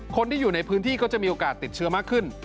คนที่อยู่ในพื้นที่ก็จะมีโอกาสติดเชื้อมากขึ้น